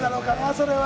それは。